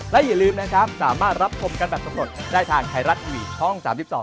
เผื่อแม่คุณ